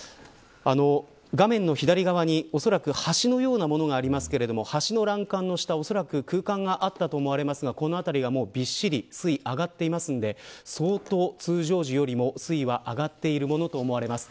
画面の左側におそらく橋のようなものがありますが橋の欄干の下おそらく空間があったと思われますがこの辺りびっしり水位が上がっているので相当、通常時よりも水位が上がっているものと思われます。